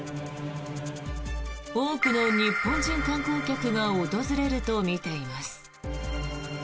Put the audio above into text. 多くの日本人観光客が訪れるとみています。